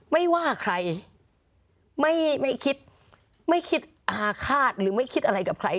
ไม่ว่าใครไม่ไม่คิดไม่คิดอาฆาตหรือไม่คิดอะไรกับใคร